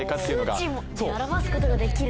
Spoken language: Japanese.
数値に表すことができるのか。